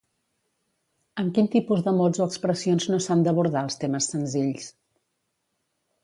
Amb quin tipus de mots o expressions no s'han d'abordar els temes senzills?